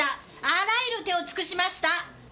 あらゆる手を尽くしました！